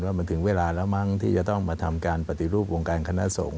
มันถึงเวลาแล้วมั้งที่จะต้องมาทำการปฏิรูปวงการคณะสงฆ